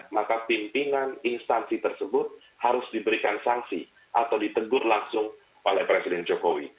maka pimpinan instansi tersebut harus diberikan sanksi atau ditegur langsung oleh presiden jokowi